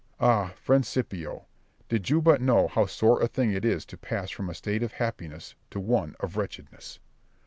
Ah, friend Scipio, did you but know how sore a thing it is to pass from a state of happiness to one of wretchedness!